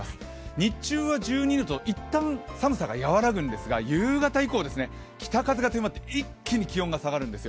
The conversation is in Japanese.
日中は１２度と、一旦、寒さが和らぐんですが夕方以降、北風が強まって一気に気温が下がるんですよ。